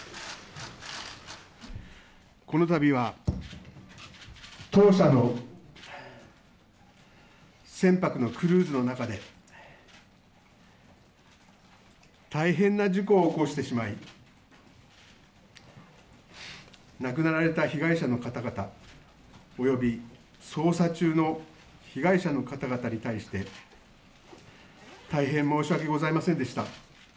このたびは、当社の船舶のクルーズの中で、大変な事故を起こしてしまい、亡くなられた被害者の方々および捜査中の被害者の方々に対して、大変申し訳ございませんでした。